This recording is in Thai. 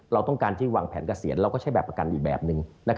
เราต้องการที่วางแผนเกษียณเราก็ใช้แบบประกันอีกแบบนึง